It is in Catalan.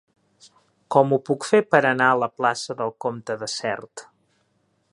Com ho puc fer per anar a la plaça del Comte de Sert?